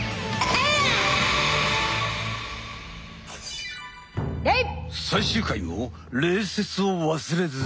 はい。